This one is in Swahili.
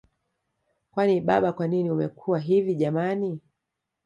Kwani baba kwanini umekuwa hivi jamani